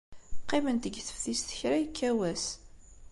Qqiment deg teftist kra yekka wass.